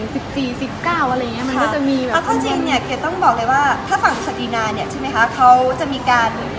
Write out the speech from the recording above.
ผมต้องบอกเลยว่าถ้าฝากสศรินาเนี่ยใช่ไหมคะเขาจะมีการ